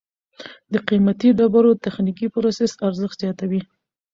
د قیمتي ډبرو تخنیکي پروسس ارزښت زیاتوي.